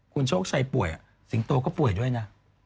คุณโชคชัยป่วยสิงโตก็ป่วยด้วยนะ